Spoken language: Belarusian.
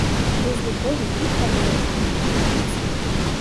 Без любові ні халеры не атрымаецца!